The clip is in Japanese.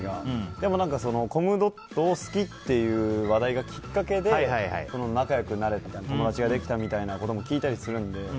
でも、コムドットを好きっていう話題がきっかけで仲良くなれた友達ができたみたいなことも聞いたりするので。